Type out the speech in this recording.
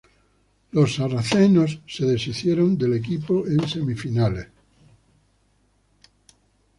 Los Saracens se deshicieron del equipo en semifinales.